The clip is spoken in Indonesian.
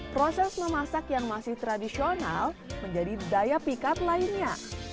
proses memasak yang masih tradisional menjadi daya pikat lainnya